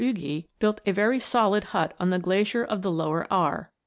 Hugi built a very solid hut on the glacier of the lower Aar.